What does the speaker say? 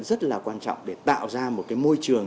rất quan trọng để tạo ra một môi trường